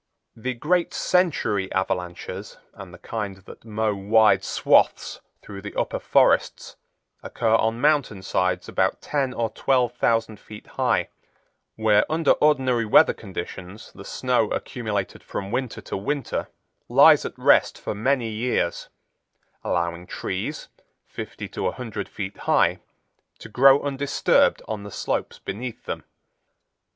The great century avalanches and the kind that mow wide swaths through the upper forests occur on mountain sides about ten or twelve thousand feet high, where under ordinary weather conditions the snow accumulated from winter to winter lies at rest for many years, allowing trees, fifty to a hundred feet high, to grow undisturbed on the slopes beneath them.